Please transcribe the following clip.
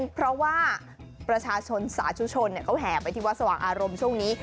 เพราะว่าประชาชนสาธุชนเขาแห่ไปที่วัดสว่างอารมณ์ช่วงนี้